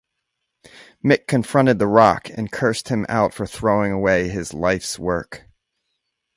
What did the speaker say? Mick confronted The Rock and cursed him out for throwing away his life's work.